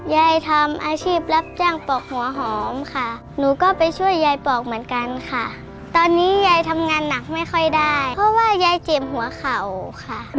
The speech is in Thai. ยายทำอาชีพรับจ้างปอกหัวหอมค่ะหนูก็ไปช่วยยายปอกเหมือนกันค่ะตอนนี้ยายทำงานหนักไม่ค่อยได้เพราะว่ายายเจ็บหัวเข่าค่ะ